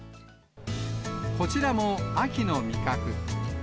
こちらも、秋の味覚。